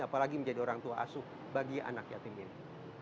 apalagi menjadi orang tua asuh bagi anak yatim ini